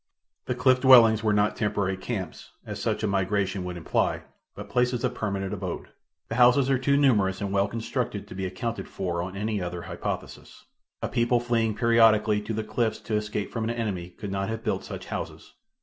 The cliff dwellings were not temporary camps, as such a migration would imply, but places of permanent abode. The houses are too numerous and well constructed to be accounted for on any other hypothesis. A people fleeing periodically to the cliffs to escape from an enemy could not have built such houses.